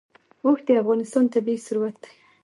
اوښ د افغانستان طبعي ثروت دی.